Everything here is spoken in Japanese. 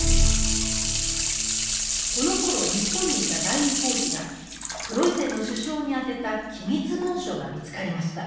このころ日本にいた代理公使がプロイセンの首相に宛てた機密文書が見つかりました。